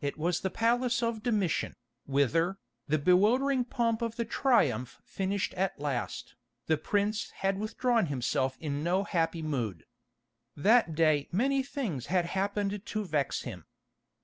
It was the palace of Domitian, whither, the bewildering pomp of the Triumph finished at last, the prince had withdrawn himself in no happy mood. That day many things had happened to vex him.